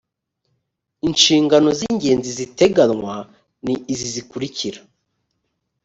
inshingano z ingenzi ziteganywa ni izi zikurikira